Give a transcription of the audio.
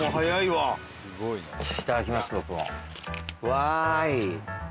わい。